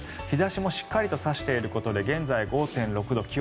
日差しもしっかりと差していることで現在、５．６度。